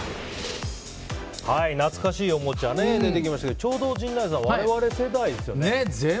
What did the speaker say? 懐かしいおもちゃが出てきましたけどちょうど陣内さん我々世代ですよね。